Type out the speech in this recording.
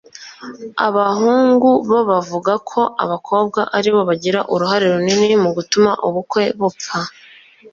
Abahungu bo bavuga ko abakobwa ari bo bagira uruhare runini mu gutuma ubukwe bupfa